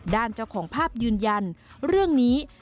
ด้านเจ้าของภาพยืนยันเรื่องนี้ไฟมี่การดำเนินคณิแจง